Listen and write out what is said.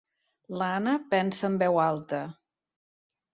L'Anna pensa en veu alta.